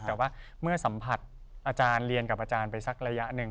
แต่ว่าเมื่อสัมผัสอาจารย์เรียนกับอาจารย์ไปสักระยะหนึ่ง